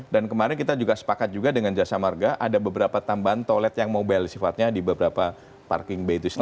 dan kemarin kita juga sepakat juga dengan jasa marga ada beberapa tambahan toilet yang mobile sifatnya di beberapa parking bay itu sendiri